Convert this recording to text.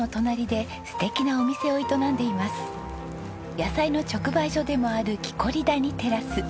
野菜の直売所でもあるキコリ谷テラス。